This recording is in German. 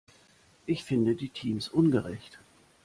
Ich finde die Teams ungerecht.